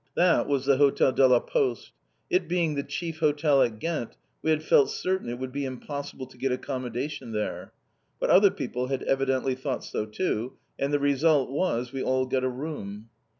That was the Hôtel de la Poste. It being the chief hotel at Ghent, we had felt certain it would be impossible to get accommodation there. But other people had evidently thought so too, and the result was we all got a room.